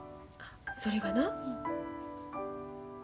それがな。